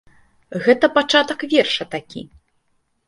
Гэта пачатак верша такі.